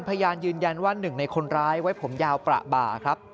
พยานยืนยันว่า๑ในคนร้ายไว้ผมยาวประบา